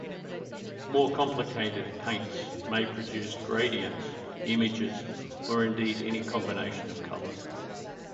More complicated paints may produce gradients, images, or indeed any combination of colors.